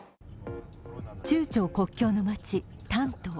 中朝国境の街、丹東。